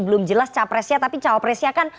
belum jelas capresnya tapi cawapresnya kan